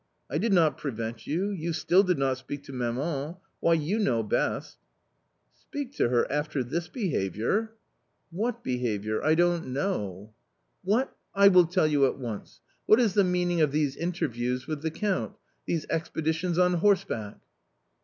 I did not prevent you, you still did not speak to tnaman — why, you know best." " Speak to her after this behaviour ?" n8 A COMMON STORY " What behaviour ? I don't know." " What ! I will tell you at once ; what is the meaning of these interviews with the Count ; these expeditions on horse back